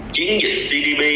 chiến dịch cdb